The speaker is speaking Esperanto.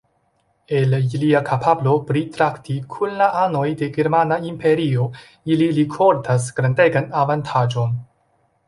El ilia kapablo pritrakti kun la anoj de germana imperio, ili rikoltas grandegan avantaĝon.